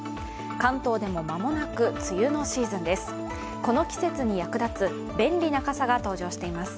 関東でも間もなく梅雨のシーズンです。